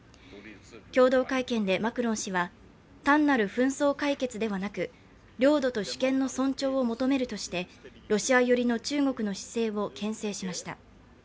共同会見でマクロン氏は「単なる紛争解決ではなく」「領土と主権の尊重を求める」としてロシア寄りの中国の姿勢をけん制しました。